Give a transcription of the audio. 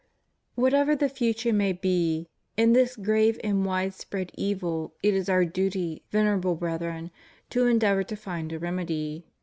Whatever the future may be, in this grave and wide spread evil it is Our duty. Venerable Brethren, to endeavor to find a remedy.